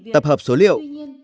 tập hợp số liệu